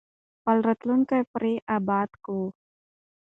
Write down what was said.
خپل راتلونکی پرې اباد کړو.